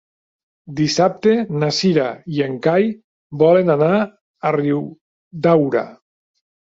Dissabte na Cira i en Cai volen anar a Riudaura.